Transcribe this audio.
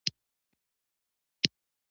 په دې پړاو کې پانګوال نوي توکي پلوري